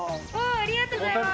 ありがとうございます！